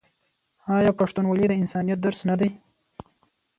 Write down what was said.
آیا پښتونولي د انسانیت درس نه دی؟